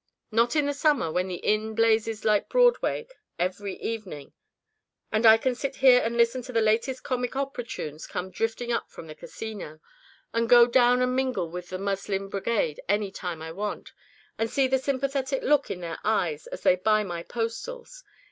Not in the summer, when the inn blazes like Broadway every evening, and I can sit here and listen to the latest comic opera tunes come drifting up from the casino, and go down and mingle with the muslin brigade any time I want, and see the sympathetic look in their eyes as they buy my postals.